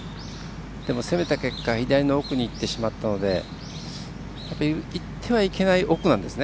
でも攻めた結果左の奥にいってしまったのでいってはいけない奥なんですね。